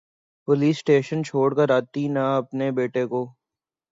police station چھوڑ کر آتی نا اپنے بیٹے کو